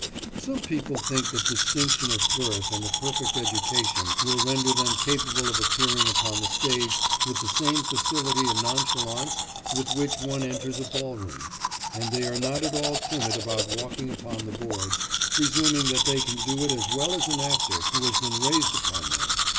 Some people think that distinction of birth and a perfect education will render them capable of appearing upon the stage with the same facility and nonchalance with which one enters a ball room, and they are not at all timid about walking upon the boards, presuming that they can do it as well as an actor who has been raised upon them.